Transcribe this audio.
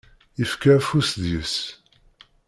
Yefka afus deg-s.